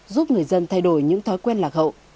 giúp người dân thay đổi những thói quen lạc hậu